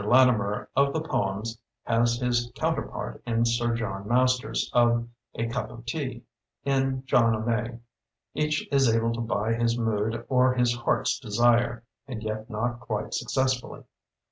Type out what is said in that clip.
Latimer, of the poems, has his coun terpart in Sir John Masters, of "A Cup of Tea" (in "John O'May") ; each is able to buy his mood or his heart's desire — ^and yet not quite successfully.